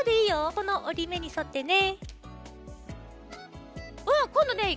このおりめにそってね。